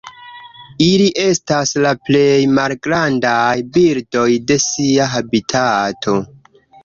Ili estas la plej malgrandaj birdoj de sia habitato.